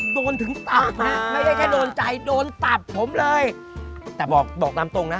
โดนถึงตับนะไม่ได้แค่โดนใจโดนตับผมเลยแต่บอกบอกตามตรงนะ